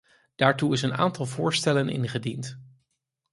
Daartoe is een aantal voorstellen ingediend.